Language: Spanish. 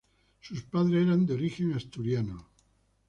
Sus padres eran de origen asturiano.